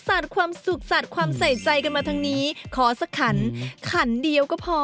ความสุขสาดความใส่ใจกันมาทั้งนี้ขอสักขันขันเดียวก็พอ